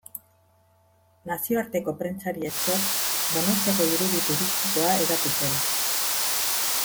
Nazioarteko prentsari esker Donostiako irudi turistikoa hedatu zen.